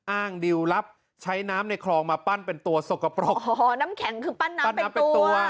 ดิวรับใช้น้ำในคลองมาปั้นเป็นตัวสกปรกอ๋อน้ำแข็งคือปั้นน้ำปั้นน้ำเป็นตัว